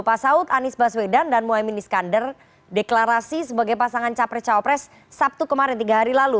pak saud anies baswedan dan muhaymin iskandar deklarasi sebagai pasangan capres cawapres sabtu kemarin tiga hari lalu